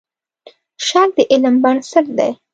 شک د علم بنسټ دی.